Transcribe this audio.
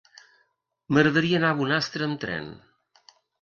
M'agradaria anar a Bonastre amb tren.